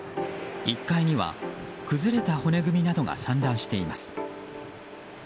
１階には崩れた骨組みなどが散乱しています。